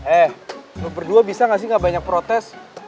eh gue berdua bisa gak sih gak banyak protes